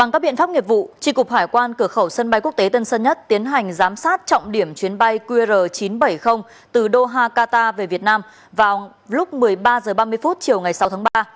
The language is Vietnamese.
chỉ cục hải quan cửa khẩu sân bay quốc tế tân sơn nhất tiến hành giám sát trọng điểm chuyến bay qr chín trăm bảy mươi từ doha qatar về việt nam vào lúc một mươi ba h ba mươi chiều sáu tháng ba